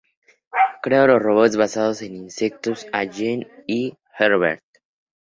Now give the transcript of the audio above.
Creó los robots basados en insectos Allen y Herbert.